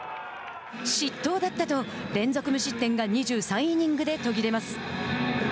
「失投だった」と連続無失点が２３イニングで途切れます。